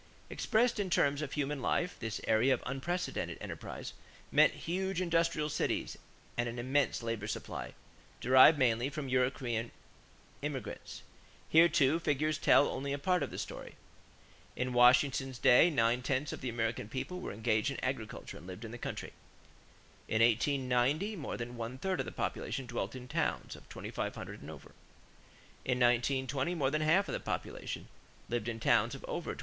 = Expressed in terms of human life, this era of unprecedented enterprise meant huge industrial cities and an immense labor supply, derived mainly from European immigration. Here, too, figures tell only a part of the story. In Washington's day nine tenths of the American people were engaged in agriculture and lived in the country; in 1890 more than one third of the population dwelt in towns of 2500 and over; in 1920 more than half of the population lived in towns of over 2500.